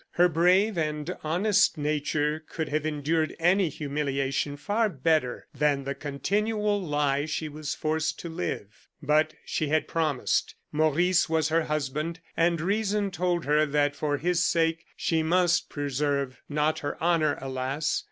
Her brave and honest nature could have endured any humiliation far better than the continual lie she was forced to live. But she had promised; Maurice was her husband, and reason told her that for his sake she must preserve not her honor, alas!